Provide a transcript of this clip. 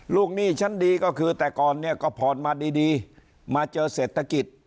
หนี้ชั้นดีก็คือแต่ก่อนเนี่ยก็ผ่อนมาดีมาเจอเศรษฐกิจ